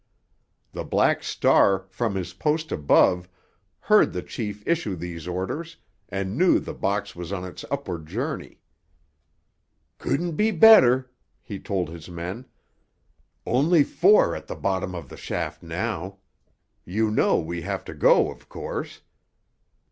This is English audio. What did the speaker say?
The Black Star, from his post above, heard the chief issue these orders, and knew the box was on its upward journey. "Couldn't be better," he told his men. "Only four at the bottom of the shaft now. You know we have to go, of course?